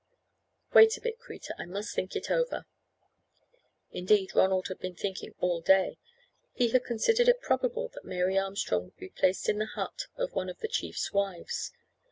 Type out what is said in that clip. "Wait a bit, Kreta, I must think it over." Indeed, Ronald had been thinking all day. He had considered it probable that Mary Armstrong would be placed in the hut of one of the chief's wives.